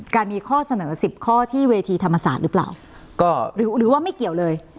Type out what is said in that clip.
การมีข้อเสนอสิบข้อที่เวทีธรรมศาสตร์หรือเปล่าก็หรือหรือว่าไม่เกี่ยวเลย